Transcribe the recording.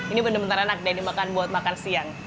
ini benar benar enak dan dimakan buat makan siang